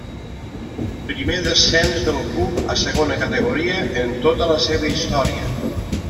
Primer descens del club a segona categoria en tota la seva història.